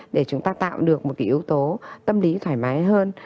để chúng ta tạo được một cái yếu tố tâm lý thoải mái hơn